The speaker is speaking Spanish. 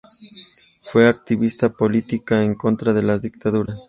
Fue activista política en contra de las dictaduras.